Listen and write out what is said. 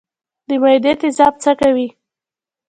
د معدې تیزاب څه کوي؟